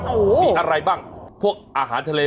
มีอะไรบ้างพวกอาหารทะเล